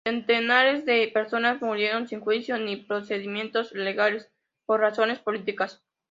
Centenares de personas murieron sin juicio ni procedimientos legales, por razones políticas.